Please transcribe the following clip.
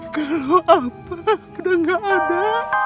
kalau apa udah gak ada